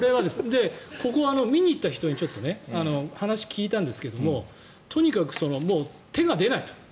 ここは見に行った人に話を聞いたんですけどとにかく手が出ないと。